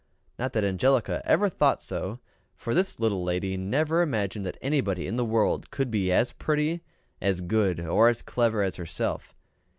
Not that Angelica ever thought so; for this little lady never imagined that anybody in the world could be as pretty, as good, or as clever as herself.